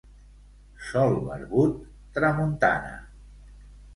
Sol barbut, tramuntana.